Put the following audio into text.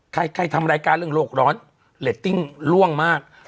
ใครทำรายการเรื่องโลกร้อนเรตติ้งล่วงมาก